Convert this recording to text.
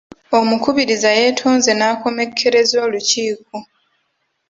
Omukubiriza yeetonzo n'akomekkereza olukiiko.